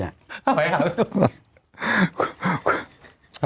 เอาไว้ครับ